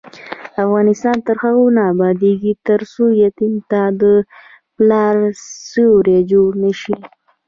افغانستان تر هغو نه ابادیږي، ترڅو یتیم ته د پلار سیوری جوړ نشي.